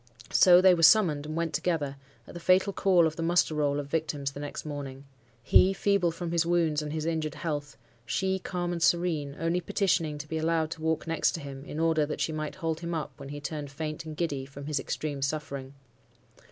So, they were summoned and went together, at the fatal call of the muster roll of victims the next morning. He, feeble from his wounds and his injured health; she, calm and serene, only petitioning to be allowed to walk next to him, in order that she might hold him up when he turned faint and giddy from his extreme suffering.